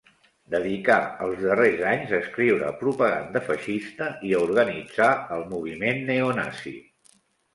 Dedicà els darrers anys a escriure propaganda feixista i a organitzar el moviment neonazi.